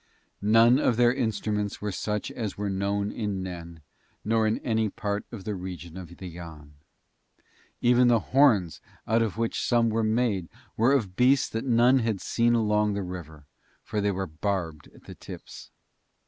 None of their instruments were such as were known in Nen nor in any part of the region of the Yann; even the horns out of which some were made were of beasts that none had seen along the river, for they were barbed at the tips.